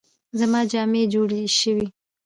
زما جامې جوړې شوې؟